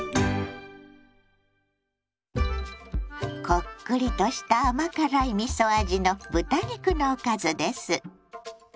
こっくりとした甘辛いみそ味の豚肉のおかずです。